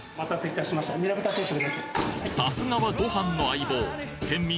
さすがはご飯の相棒県民